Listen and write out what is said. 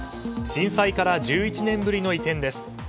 震災から１１年ぶりの移転です。